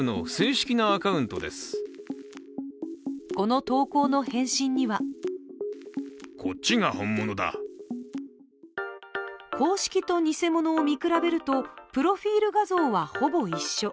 この投稿の返信には公式と偽物を見比べるとプロフィール画像はほぼ一緒。